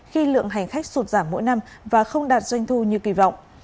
khi lượng hành khách sụt giảm mỗi năm và không đạt doanh thu như kỳ vọng